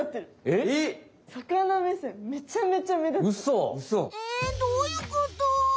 えどういうこと？